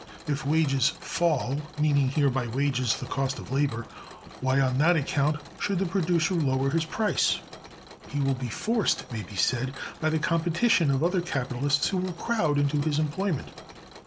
If wages fall (meaning here by wages the cost of labor), why, on that account, should the producer lower his price? He will be forced, it may be said, by the competition of other capitalists who will crowd into his employment.